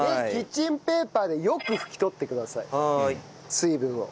水分を。